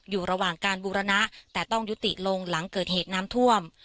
อยู่ระหว่างการบูรณะแต่ต้องยุติลงหลังเกิดเหตุน้ำท่วม